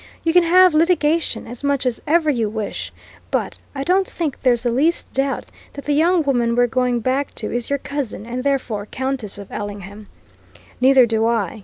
You can have litigation as much as ever you wish. But I don't think there's the least doubt that the young woman we're going back to is your cousin, and therefore Countess of Ellingham." "Neither do I!"